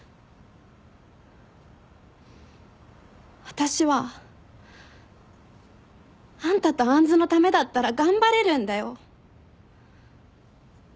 私はあんたと杏のためだったら頑張れるんだよ。